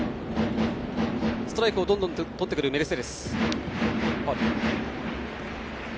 ストライクをどんどんとってくるメルセデス。